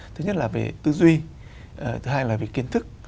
thứ nhất là về tư duy thứ hai là về kiến thức